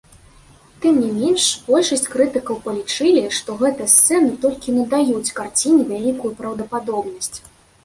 Тым не менш, большасць крытыкаў палічылі, што гэтыя сцэны толькі надаюць карціне вялікую праўдападобнасць.